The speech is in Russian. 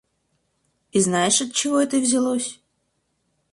И знаешь, отчего это взялось?